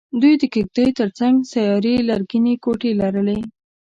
دوی د کېږدیو تر څنګ سیارې لرګینې کوټې لرلې.